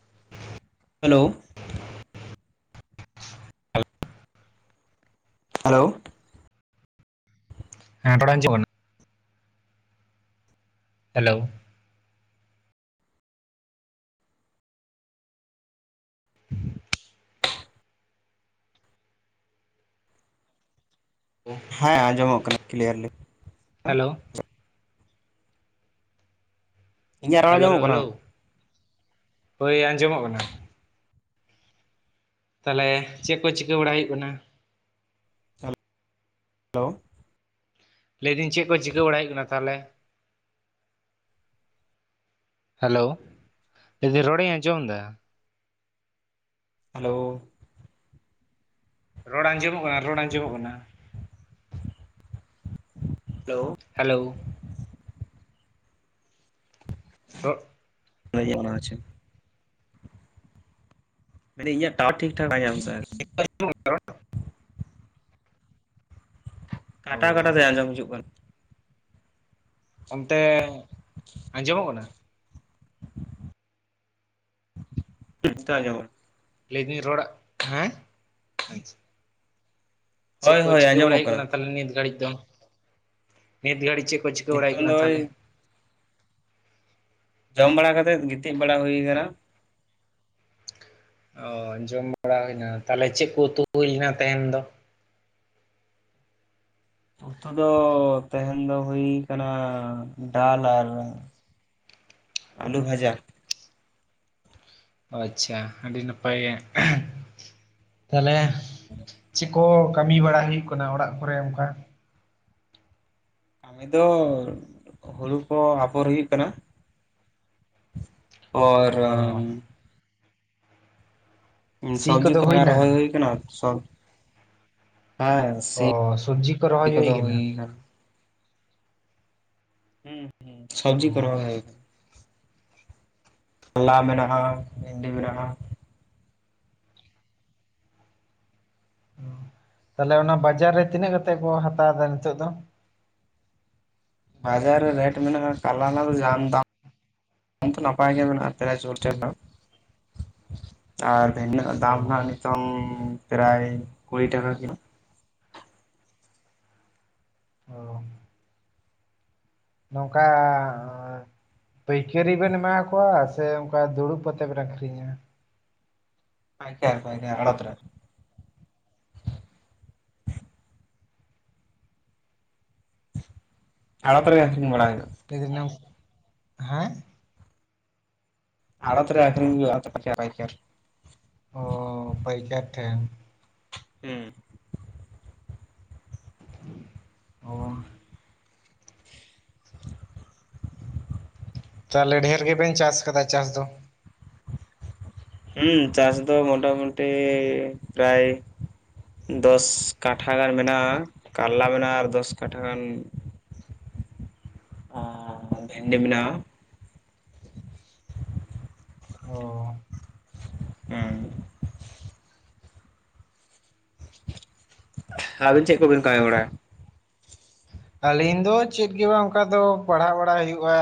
[inaudible] Hello ᱦᱮᱞ hello ᱦᱮ‌‍ᱸ ᱨᱚᱲ [unintelligible] hello [inaudible] [unintelligible] ᱦᱮᱸ ᱟᱸᱡᱚᱢᱚᱜ ᱠᱟᱱᱟ ᱠᱞᱤᱭᱟᱨᱞᱤ ᱦᱮᱞᱳ ᱤᱧᱟᱹᱜ ᱨᱚᱲ ᱦᱮᱞᱳ ᱟᱸᱡᱚᱢᱚᱜ ᱠᱟᱱᱟ ᱦᱮᱞᱳ ᱦᱳᱭ ᱟᱸᱡᱚᱢᱚᱜ ᱠᱟᱱᱟ ᱛᱟᱦᱞᱮ ᱪᱮᱫ ᱠᱚ ᱪᱤᱠᱟᱹ ᱵᱟᱲᱟᱭ ᱦᱩᱭᱩᱜ ᱠᱟᱱᱟ ᱦᱮᱞᱳ ᱞᱟᱹᱭᱫᱟᱹᱧ ᱪᱮᱫ ᱠᱚ ᱪᱤᱠᱟᱹ ᱵᱟᱲᱟᱭ ᱦᱩᱭᱩᱜ ᱠᱟᱱᱟ ᱛᱟᱦᱚᱞᱮ ᱦᱮᱞᱳ ᱞᱟ. ᱭ ᱫᱟ. ᱧ ᱨᱚᱲ ᱤᱧ ᱟᱸᱡᱚᱢ ᱫᱟ ᱦᱮᱞᱳ ᱨᱚᱲ ᱟᱸᱡᱚᱢᱚᱜ ᱠᱟᱱᱟ ᱨᱚᱲ ᱟᱸᱡᱚᱢᱚᱜ ᱠᱟᱱᱟ ᱦᱮᱞᱳ ᱦᱮᱞᱳᱣ [unintelligible] ᱞᱟᱹᱭ ᱟᱸᱡᱚᱢᱚᱜ ᱠᱟᱱ ᱟᱪᱪᱷᱟ ᱢᱟᱱ ᱫᱟ. ᱧ ᱤᱧᱟᱹᱜ ᱴᱟᱣᱟᱨ ᱴᱷᱤᱠ ᱴᱷᱟᱠ ᱰᱟᱭ ᱧᱟᱢ ᱫᱟ ᱚ ᱠᱟᱴᱟᱣ ᱠᱟᱴᱟᱣ ᱛᱮ ᱟᱸᱡᱚᱢ ᱦᱤᱡᱩᱜ ᱠᱟᱱᱟ ᱚᱱᱛᱮ ᱟᱸᱡᱚᱢᱚᱜ ᱠᱟᱱᱟ ᱱᱤᱛᱚᱜ ᱟᱸᱡᱚᱢᱚᱜ ᱞᱟᱹᱭᱫᱟᱹᱧ ᱨᱚᱲ ᱦᱮᱸ ᱟᱪᱪᱷᱟ ᱪᱮᱫ ᱦᱳᱭ ᱠᱚ ᱦᱳᱭ ᱪᱤᱠᱟᱹ ᱵᱟᱲᱟᱭ ᱟᱸᱡᱚᱢᱚᱜ ᱦᱩᱭᱩᱜ ᱠᱟᱱᱟ ᱛᱦᱟᱞᱮ ᱱᱤᱛ ᱜᱷᱟᱹᱲᱤᱡ ᱫᱚ ᱱᱤᱛ ᱜᱷᱟᱹᱲᱤᱡ ᱪᱮᱫ ᱠᱚ ᱪᱤᱠᱟᱹ ᱵᱟᱲᱟᱭ ᱦᱩᱭᱩᱜ ᱱᱤᱛᱚᱝ ᱫᱚ ᱠᱟᱱᱟ ᱳᱭ ᱛᱟᱦᱚᱞᱮ ᱡᱚᱢ ᱵᱟᱲᱟ ᱠᱟᱛᱮᱫ ᱜᱤᱛᱤᱡ ᱵᱟᱲᱟ ᱦᱩᱭ ᱠᱟᱱᱟ ᱚ ᱡᱚᱢ ᱵᱟᱲᱟ ᱦᱩᱭ ᱱᱟ ᱛᱟᱦᱚᱞᱮ ᱪᱮᱫ ᱠᱚ ᱩᱛᱩ ᱦᱩᱭᱱᱟ ᱛᱮᱦᱮᱧ ᱫᱚ ᱩᱛᱩ ᱫᱚ ᱛᱮᱦᱮᱱ ᱫᱚ ᱦᱩᱭ ᱠᱟᱱᱟ ᱰᱟᱞ ᱟᱨ ᱟᱞᱩ ᱵᱷᱟᱡᱟ ᱟᱪᱪᱷᱟ ᱟᱹᱰᱤ ᱱᱟᱯᱟᱭ ᱜᱮ ᱛᱟᱦᱚᱞᱮ ᱪᱮᱫ ᱠᱚ ᱠᱟᱹᱢᱤ ᱵᱟᱲᱟ ᱦᱩᱭᱩᱜ ᱠᱟᱱᱟ ᱚᱲᱟᱜ ᱠᱚᱨᱮ ᱚᱱᱠᱟ ᱠᱟᱹᱢᱤ ᱫᱚ ᱦᱩᱲᱩ ᱠᱚ ᱟᱯᱦᱚᱨ ᱦᱩᱭᱩᱜ ᱠᱟᱱᱟ ᱚᱨᱚᱝ ᱚ ᱥᱤ ᱥᱚᱵᱡᱤ ᱠᱚᱫᱚ ᱠᱚ ᱦᱟᱞᱠᱟ ᱨᱚᱦᱚᱭ ᱦᱩᱭᱱᱟ ᱦᱩᱭ ᱠᱟᱱᱟ ᱥᱚᱵ ᱦᱮᱸ ᱥᱤ ᱚ ᱥᱚᱵᱽᱡᱤ ᱠᱚ ᱨᱚᱦᱚᱭ ᱦᱩᱭ ᱠᱚᱫᱚ ᱠᱟᱱᱟ ᱦᱩᱭᱱᱟ ᱦᱩᱸ ᱦᱩᱸ ᱥᱚᱵᱡᱤ ᱠᱚ ᱚ ᱨᱚᱦᱚᱭ ᱦᱩᱭ ᱠᱟᱱᱟ ᱠᱟᱞᱞᱟ ᱢᱮᱱᱟᱜᱼᱟ ᱵᱷᱤᱱᱰᱤ ᱢᱮᱱᱟᱜᱼᱟ ᱚ ᱛᱟᱦᱞᱮ ᱚᱱᱟ ᱵᱟᱡᱟᱨ ᱨᱮ ᱛᱤᱱᱟᱹᱜ ᱠᱟᱛᱮᱜ ᱠᱚ ᱦᱟᱛᱟᱣ ᱫᱟ ᱱᱤᱛᱚᱜ ᱫᱚ ᱵᱟᱡᱟᱨ ᱨᱮ ᱨᱮᱴ ᱢᱮᱱᱟᱜᱼᱟ ᱠᱟᱞᱞᱟ ᱫᱚ ᱡᱟᱱ ᱫᱟᱢ ᱚᱱᱛᱮ ᱱᱟᱯᱟᱭ ᱜᱮ ᱢᱮᱱᱟᱜᱼᱟ [unintelligible] ᱫᱚ ᱟᱨ ᱵᱷᱤᱱᱰᱤ ᱨᱮᱱᱟᱜ ᱫᱟᱢ ᱚ ᱦᱟᱜ ᱱᱤᱛᱚᱝ ᱯᱨᱟᱭ ᱠᱩᱲᱤ ᱴᱟᱠᱟ ᱠᱤᱞᱳ ᱚ ᱱᱚᱝᱠᱟ ᱮ ᱯᱟᱹᱭᱠᱟᱹᱨᱤ ᱵᱮᱱ ᱮᱢᱟ ᱠᱚᱣᱟ ᱥᱮ ᱚᱱᱠᱟ ᱫᱩᱲᱩᱵ ᱠᱟᱛᱮᱫ ᱵᱮᱱ ᱟᱠᱷᱨᱤᱧᱟ ᱯᱟᱭᱠᱟᱨ ᱯᱟᱭᱠᱟᱨ ᱟᱲᱚᱛ ᱨᱮ ᱟᱲᱚᱛ ᱨᱮ ᱟᱠᱷᱨᱤᱧ ᱵᱟᱲᱟ ᱦᱩᱭᱩᱜ ᱟ ᱮᱠᱫᱚᱢ ᱦᱮᱸ ᱟᱲᱚᱛ ᱨᱮ ᱟᱠᱷᱤᱨᱤᱧ ᱦᱩᱭᱩᱜ ᱟ ᱯᱟᱭᱠᱟᱨ ᱯᱟᱭᱠᱟᱨ ᱚ ᱯᱟᱹᱭᱠᱟᱹᱨ ᱴᱷᱮᱱ ᱦᱩᱸ, ᱚ, ᱛᱟᱦᱚᱞᱮ ᱰᱷᱮᱨ ᱜᱮᱵᱮᱱ ᱪᱟᱥ ᱠᱟᱫᱟ ᱪᱟᱥ ᱫᱚ? ᱦᱩᱸ ᱪᱟᱥ ᱫᱚ ᱢᱳᱚᱴᱟᱢᱩᱴᱤ ᱯᱨᱟᱭ, ᱫᱚᱥ ᱠᱟᱴᱷᱟ ᱜᱟᱱ ᱢᱮᱱᱟᱜᱼᱟ ᱠᱟᱞᱞᱟ ᱢᱮᱱᱟᱜᱼᱟ ᱟᱨ ᱫᱚᱥ ᱠᱟᱴᱷᱟ ᱜᱟᱱ, ᱟ ᱵᱷᱮᱱᱰᱤ ᱢᱮᱱᱟᱜᱼᱟ᱾ ᱚ, ᱦᱩᱸ, ᱟᱹᱵᱤᱱ ᱪᱮᱫ ᱠᱚᱵᱤᱱ ᱠᱟᱹᱢᱤ ᱵᱟᱲᱟ ᱟᱹᱞᱤᱧ ᱫᱚ ᱪᱮᱫ ᱜᱮ ᱵᱟᱝ ᱚᱱᱠᱟ ᱫᱚ ᱯᱟᱲᱦᱟᱣ ᱵᱟᱲᱟ ᱦᱩᱭᱩᱜᱼᱟ᱾